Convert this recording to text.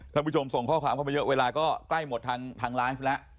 ท่านผู้ชมส่งข้อความเข้ามาเยอะเวลาก็ใกล้หมดทางไลฟ์แล้ว